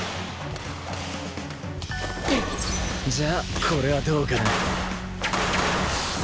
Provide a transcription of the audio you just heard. じゃあこれはどうかな？